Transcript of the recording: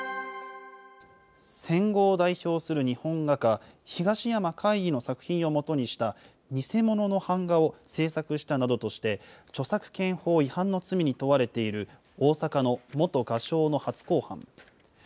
戦後を代表する日本画家、東山魁夷の作品をもとにした偽物の版画を制作したなどとして、著作権法違反の罪に問われている大阪の元画商の初公判。